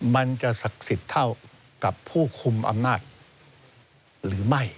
มันจะศักดิ์สิทธิ์เท่ากับผู้คุมอำนาจหรือไม่